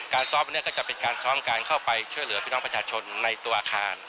ซ้อมวันนี้ก็จะเป็นการซ้อมการเข้าไปช่วยเหลือพี่น้องประชาชนในตัวอาคาร